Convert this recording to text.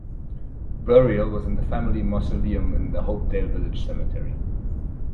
Burial was in the family mausoleum in the Hopedale Village Cemetery.